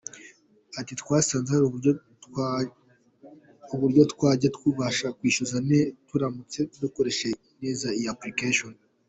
Ati “Twasanze hari uburyo twajya tubasha kwishyuza turamutse dukoresheje neza iyi application.